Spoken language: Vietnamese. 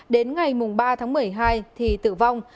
đến ngày ba một mươi hai thì tử vong